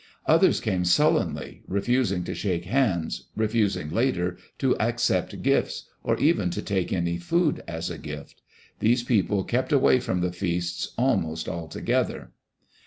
Others came sul lenly, refusing to shake hands, refusing later to accept gifts, or even to take any food as a gift. These people kept away from the feasts almost altogether.